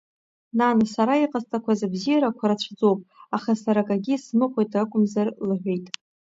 Нан, сара иҟасҵақәаз абзиарақәа рацәаӡоуп, аха сара акагьы исмыхәеит акәымзар, — лҳәеит.